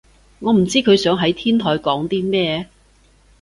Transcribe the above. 我唔知佢想喺天台講啲咩